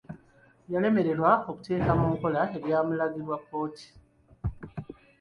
Yalemererwa okuteeka mu nkola ebyamulagirwa kkooti.